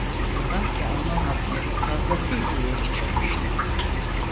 Ne var ki Alman hatları fazlasıyla ileri çıkmıştı.